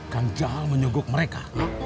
kang jahal menyogok mereka